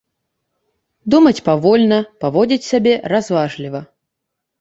Думаць павольна, паводзіць сябе разважліва.